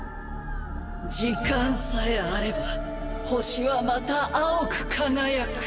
時間さえあれば星はまた青く輝く。